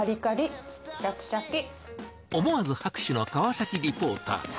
思わず拍手の川崎リポーター。